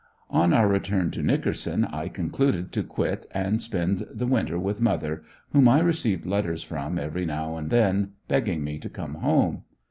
On our return to Nickerson, I concluded to quit and spend the winter with mother, whom I received letters from every now and then begging me to come home.